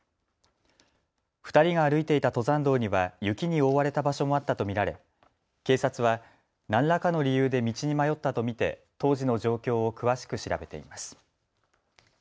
２人が歩いていた登山道には雪に覆われた場所もあったと見られ警察は何らかの理由で道に迷ったと見て当時の状況を詳しく調べています。